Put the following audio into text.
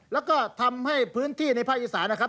แล้วก็ทำให้พื้นที่ในภาคอีสานนะครับ